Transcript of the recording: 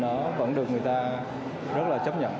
nó vẫn được người ta rất là chấp nhận